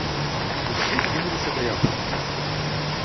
Усе кінуліся да яго.